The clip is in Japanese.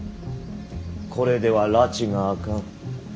これではらちが明かん。